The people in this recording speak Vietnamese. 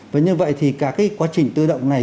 và như vậy thì cả cái quá trình tự động này